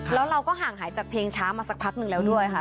แล้วเราก็ห่างหายจากเพลงช้ามาสักพักหนึ่งแล้วด้วยค่ะ